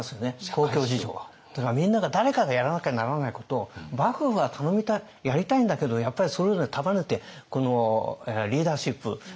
公共事業みんなが誰かがやらなきゃならないことを幕府が頼みたいやりたいんだけどやっぱりそれぞれを束ねてリーダーシップといいますかね。